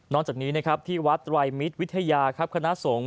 นอนจากนี้ที่วัดวัยมิตวิทยาครับคณะสงฆ์